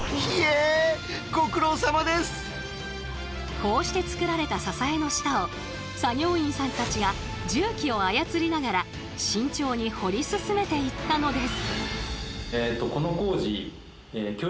こうしてつくられた支えの下を作業員さんたちが重機を操りながら慎重に掘り進めていったのです。